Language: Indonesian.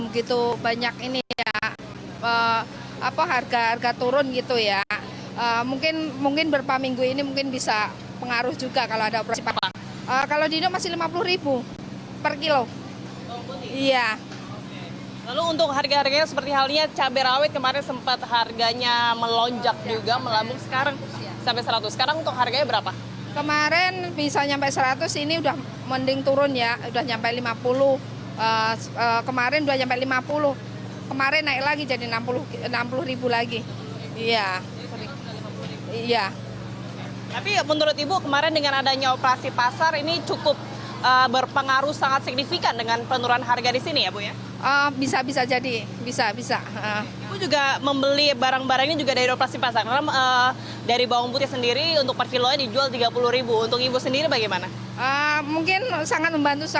dki jakarta anies baswedan menyebut kegiatan operasi pasar merupakan salah satu upaya pemerintah mengendalikan harga kebutuhan pokok warga ibu